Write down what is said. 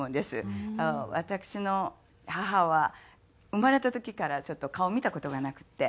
私の母は生まれた時からちょっと顔を見た事がなくて。